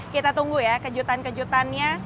kita tunggu ya kejutan kejutannya